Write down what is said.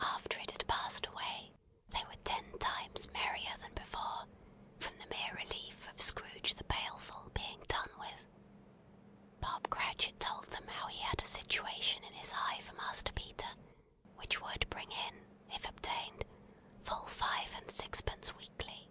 After it had passed away, they were ten times merrier than before, from the mere relief of Scrooge the Baleful being done with. Bob Cratchit told them how he had a situation in his eye for Master Peter, which would bring in, if obtained, full five and sixpence weekly.